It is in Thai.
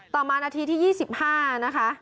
ต่อมานาทีที่๒๕นะคะ